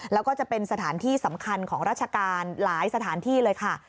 แล้วก็จะเป็นสถานที่สำคัญของราชการหลายสถานที่เลยค่ะ